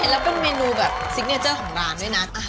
แล้วเป็นเมนูแบบซิกเนเจอร์ของร้านด้วยนะ